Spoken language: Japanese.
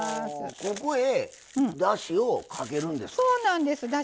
ここへだしをかけるんですか？